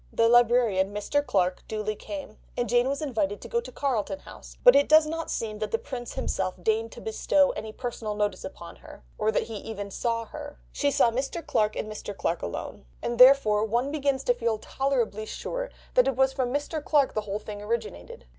The librarian, Mr. Clarke, duly came, and Jane was invited to go to Carlton House, but it does not seem that the Prince himself deigned to bestow any personal notice upon her, or that he even saw her; she saw Mr. Clarke and Mr. Clarke alone, and therefore one begins to feel tolerably sure that it was from Mr. Clarke the whole thing originated.